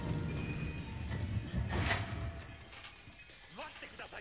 待ってください